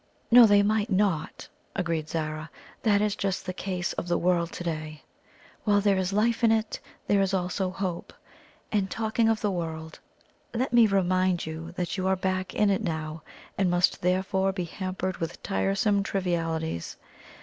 "No, they might not," agreed Zara. "That is just the case of the world to day. While there is life in it, there is also hope. And talking of the world, let me remind you that you are back in it now, and must therefore be hampered with tiresome trivialities.